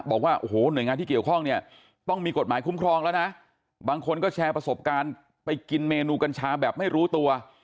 บอกว่าโอ้โหหน่วยงานที่เกี่ยวข้องเนี่ยต้องมีกฎหมายคุ้มครองแล้วนะบางคนก็แชร์ประสบการณ์ไปกินเมนูกัญชาแบบไม่รู้ตัว